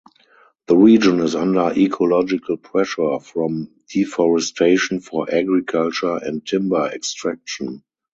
The region is under ecological pressure from deforestation for agriculture and timber extraction.